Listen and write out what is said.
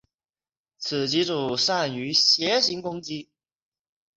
此棋组善于斜行攻击。